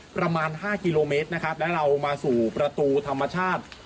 ประมาณ๕กิโลเมตรนะครับแล้วเรามาสู่ประตูธรรมชาติ